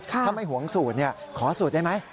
ถ้าไม่หวงสูตรขอสูตรได้ไหม